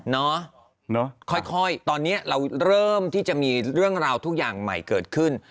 ค่อยตอนนี้เราเริ่มที่จะมีเรื่องราวทุกอย่างใหม่เกิดขึ้น